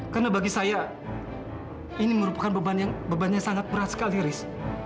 karena bagi saya ini merupakan beban yang bebannya sangat berat sekali riz